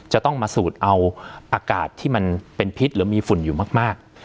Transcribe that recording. จะต้องมาสูดเอาอากาศที่มันเป็นพิษหรือมีฝุ่นอยู่มาก